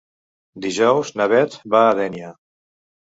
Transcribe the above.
Dijous na Beth va a Dénia.